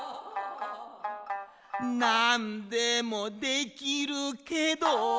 「何でもできるけど」